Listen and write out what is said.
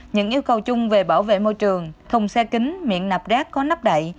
những yêu cầu chung về bảo vệ môi trường thùng xe kính miệng nạp rác có nắp đậy